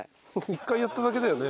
１回やっただけだよね？